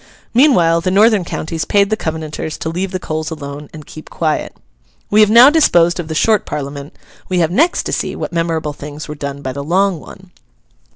Meanwhile the northern counties paid the Covenanters to leave the coals alone, and keep quiet. We have now disposed of the Short Parliament. We have next to see what memorable things were done by the Long one.